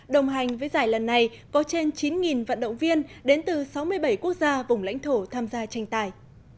đồng hành với giải lần này có trên chín vận động viên đến từ sáu mươi bảy quốc gia vùng lãnh thổ tham gia tranh tài